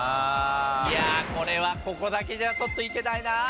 いやあこれはここだけじゃちょっといけないな。